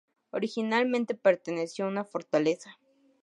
Originalmente perteneció a una fortaleza.